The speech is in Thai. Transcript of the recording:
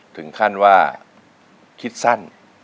ถึงขั้นว่าคิดสั้น